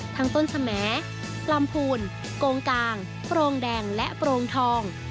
ต้นสมลำพูนโกงกลางโปรงแดงและโปรงทอง